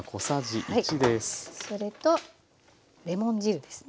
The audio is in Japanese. それとレモン汁ですね。